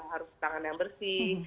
harus tangan yang bersih